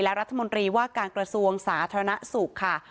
และรัฐมนตรีว่าการกระทรวงสาธารณสุขค่ะ